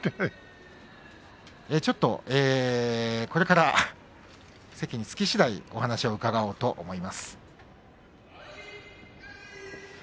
これから席に着きしだいお話を伺おうと思います。